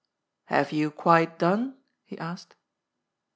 " Have you quite done ?" he asked.